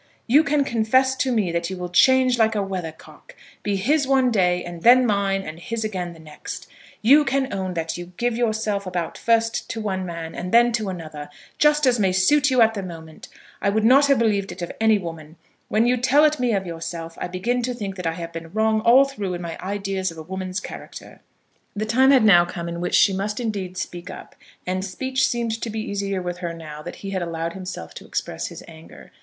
You can confess to me that you will change like a weathercock; be his one day, and then mine, and his again the next! You can own that you give yourself about first to one man, and then to another, just as may suit you at the moment! I would not have believed it of any woman. When you tell it me of yourself, I begin to think that I have been wrong all through in my ideas of a woman's character." The time had now come in which she must indeed speak up. And speech seemed to be easier with her now that he had allowed himself to express his anger.